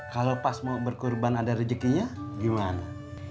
kalau pas mau berkurban ada rezekinya gimana